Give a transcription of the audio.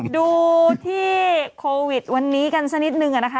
ดูที่โควิดวันนี้กันสักนิดนึงนะคะ